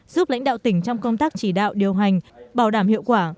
giúp lãnh đạo tỉnh trong công tác chỉ đạo điều hành bảo đảm hiệu quả